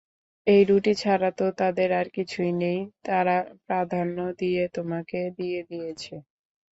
এই রুটি ছাড়াতো তাদের আর কিছুই নেই তারা প্রাধান্য দিয়ে তোমাকে দিয়ে দিয়েছে।